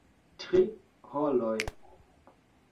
Tri horoj.